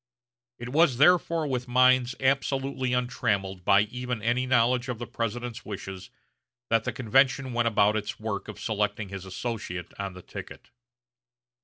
It was therefore with minds absolutely untrammeled by even any knowledge of the President's wishes that the convention went about its work of selecting his associate on the ticket.